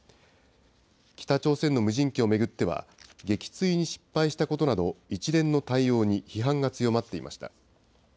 北朝鮮の無人機を巡っては、撃墜に失敗したことなど、一連の対応に批判が強まっていました。